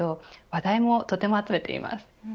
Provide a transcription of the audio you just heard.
話題をとても集めています。